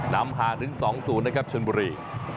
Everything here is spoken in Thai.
นำห่างถึง๒๐นะครับชนบุรี